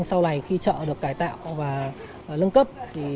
sau này khi chợ được cải tạo và lân cấp